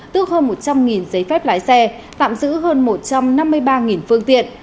tước hơn một trăm linh giấy phép lái xe tạm giữ hơn một trăm năm mươi ba phương tiện